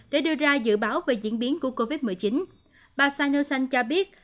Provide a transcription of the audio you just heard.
để đưa ra dự báo về diễn biến của covid một mươi chín bà sanosan cho biết